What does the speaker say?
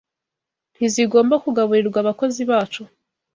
Ntizigomba kugaburirwa abakozi bacu